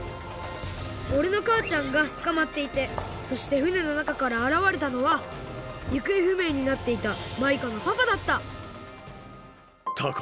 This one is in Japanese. おれのかあちゃんがつかまっていてそしてふねのなかからあらわれたのはゆくえふめいになっていたマイカのパパだったタアコ。